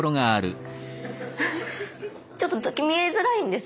ちょっと見えづらいんです